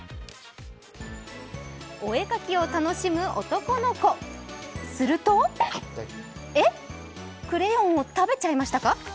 お絵かきを楽しむ男の子するとえっ、クレヨンを食べちゃいましたか？